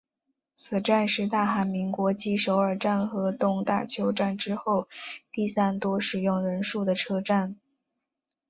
此站是大韩民国继首尔站和东大邱站之后第三多使用人数的车站。